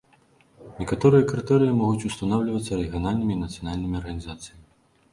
Некаторыя крытэрыі могуць устанаўлівацца рэгіянальнымі і нацыянальнымі арганізацыямі.